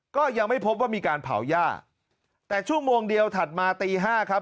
ก็ยังไม่พบว่ามีการเผาหญ้าแต่ชั่วโมงเดียวถัดมาตีห้าครับ